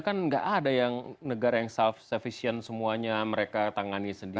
kan nggak ada yang negara yang self sufficient semuanya mereka tangani sendiri